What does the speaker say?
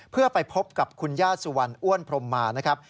เพื่อไปพบกับคุณย่าสุวรรณอ้วนพรมมานะครับ